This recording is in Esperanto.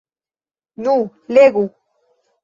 Nu, legu!